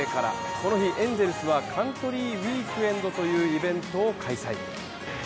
この日、エンゼルスはカントリー・ウィークエンドというイベントを開催。